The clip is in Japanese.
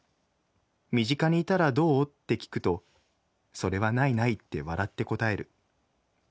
『身近にいたらどう？』って聞くと『それはないない』って笑って答える。